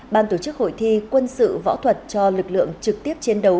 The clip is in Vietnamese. ban tổ chức hội thi quân sự võ thuật cho lực lượng trực tiếp chiến đấu